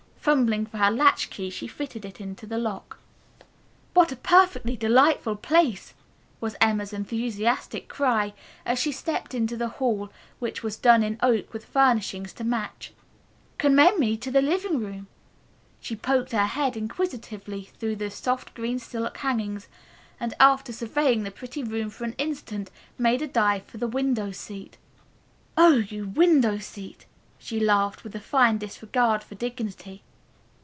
Fumbling for her latch key she fitted it to the lock. "What a perfectly delightful place!" was Emma's enthusiastic cry, as she stepped into the hall which was done in oak with furnishings to match. "Commend me to the living room!" She poked her head inquisitively through the soft green silk hangings and after surveying the pretty room for an instant made a dive for the window seat. "Oh, you window seat!" she laughed with a fine disregard for dignity.